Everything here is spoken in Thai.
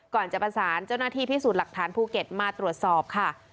ก่อนจะประสานเจ้าหน้าที่พิสูจน์หลักฐานภูเก็ตมาตรวจสอบค่ะ